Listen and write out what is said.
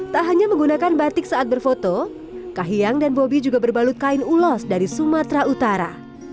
tak hanya menggunakan batik saat berfoto kahiyang dan bobi juga berbalut kain ulos dari sumatera utara